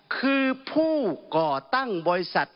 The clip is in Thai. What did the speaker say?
คือผู้ก่อตั้งบริษัท